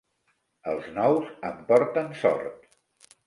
Els nous em porten sort.